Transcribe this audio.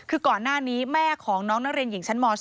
คือก่อนหน้านี้แม่ของน้องนักเรียนหญิงชั้นม๒